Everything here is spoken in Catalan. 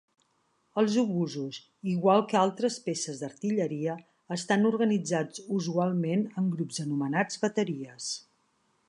Els obusos, igual que altres peces d'artilleria, estan organitzats usualment en grups anomenats bateries.